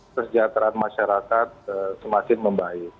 kesejahteraan masyarakat semakin membaik